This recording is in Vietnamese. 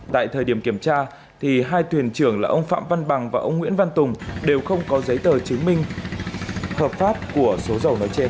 tại thời điểm kiểm tra hai tuyển trưởng là ông phạm văn bằng và ông nguyễn văn tùng đều không có giấy tờ chứng minh hợp pháp của số dầu nói trên